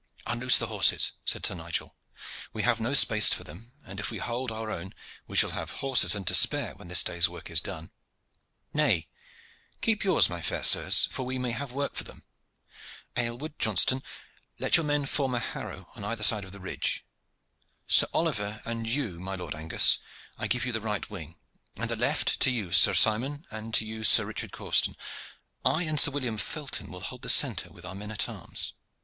"Unloose the horses!" said Sir Nigel. "We have no space for them, and if we hold our own we shall have horses and to spare when this day's work is done. Nay, keep yours, my fair sirs, for we may have work for them. Aylward, Johnston, let your men form a harrow on either side of the ridge. Sir Oliver and you, my Lord Angus, I give you the right wing, and the left to you, Sir Simon, and to you, Sir Richard Causton. I and Sir William Felton will hold the centre with our men at arms.